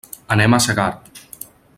Anem a Segart.